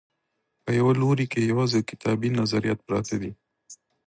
په یوه لوري کې یوازې کتابي نظریات پرت دي.